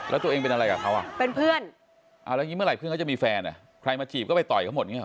แล้วตัวเองเป็นอะไรกับเขาเป็นเพื่อนแล้วเมื่อไรเพื่อนก็จะมีแฟนใครมาจีบก็ไปต่อยเขาหมด